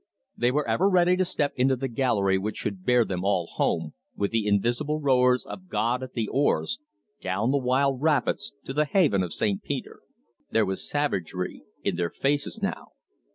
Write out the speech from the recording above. They were ever ready to step into the galley which should bear them all home, with the invisible rowers of God at the oars, down the wild rapids, to the haven of St. Peter. There was savagery in their faces now.